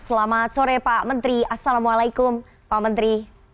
selamat sore pak menteri assalamualaikum pak menteri